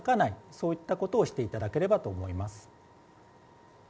そういったことをしていただければと思います。